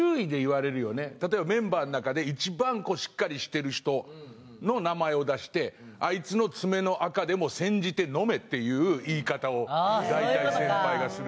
例えばメンバーの中で一番しっかりしてる人の名前を出して「あいつの爪の垢でも煎じて飲め」っていう言い方を大体先輩がするから。